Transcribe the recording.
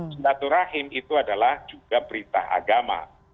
silaturahim itu adalah juga berita agama